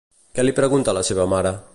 Què li pregunta a la seva mare?